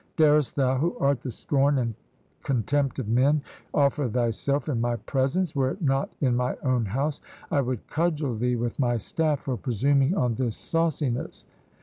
darest thou, who art the scorn and contempt of men, offer thyself in my presence? Were it not in my own house, I would cudgel thee with my staff for presuming on this sauciness."